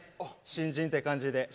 新人って感じで。